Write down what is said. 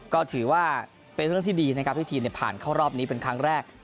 ก็ถือว่าเป็นเรื่องที่ดีนะครับที่ทีมผ่านเข้ารอบนี้เป็นครั้งแรก